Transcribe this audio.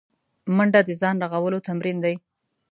منډه د ځان رغولو تمرین دی